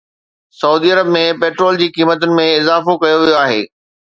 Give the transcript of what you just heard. سعودي عرب ۾ پيٽرول جي قيمتن ۾ اضافو ڪيو ويو آهي